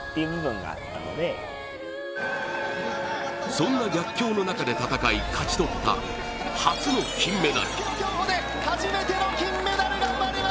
そんな逆境の中で戦い、勝ち取った初の金メダル。